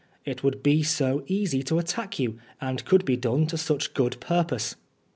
It would be so easy to attack you, and could be done to such good purpose."